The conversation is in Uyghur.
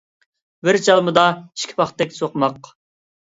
بىر چالمىدا ئىككى پاختەك سوقماق